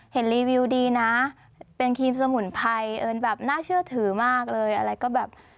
รีวิวดีนะเป็นครีมสมุนไพรเอิญแบบน่าเชื่อถือมากเลยอะไรก็แบบ